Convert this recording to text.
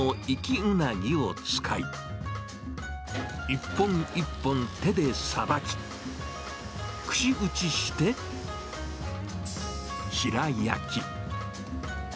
うなぎを使い、一本一本手でさばき、串打ちして、白焼き。